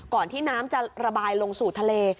ที่น้ำจะระบายลงสู่ทะเล